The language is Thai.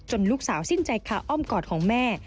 ลูกสาวสิ้นใจขาอ้อมกอดของแม่